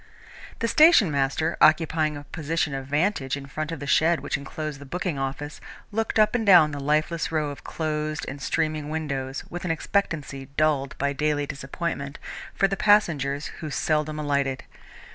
The station master, occupying a position of vantage in front of the shed which enclosed the booking office, looked up and down the lifeless row of closed and streaming windows, with an expectancy dulled by daily disappointment, for the passengers who seldom alighted.